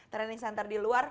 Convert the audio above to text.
training center di luar